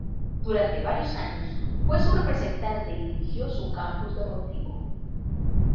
Durante varios años fue su representante y dirigió su campus deportivo.